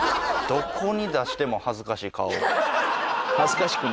どこに出しても恥ずかしい。